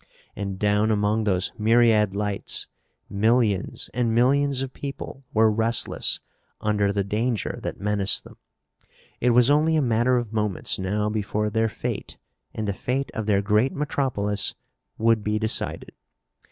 And, down among those myriad lights, millions and millions of people were restless under the danger that menaced them. It was only a matter of moments now before their fate, and the fate of their great metropolis, would be decided.